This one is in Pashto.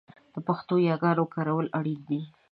د پښتو یاګانې کارول اړین دي